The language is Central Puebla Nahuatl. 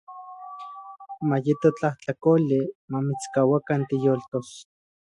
Mayeto tlajtlakoli mamitskauakan tiyoltos.